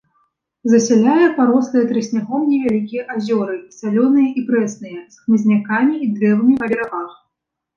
Засяляе парослыя трыснягом невялікія азёры, салёныя і прэсныя, з хмызнякамі і дрэвамі па берагах.